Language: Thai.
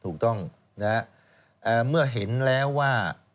ถูกต้องนะฮะเมื่อเห็นแล้วว่า